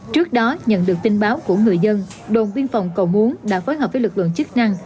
trước đó nhận được tin báo của người dân đồn biên phòng cầu muốn đã phối hợp với lực lượng chức năng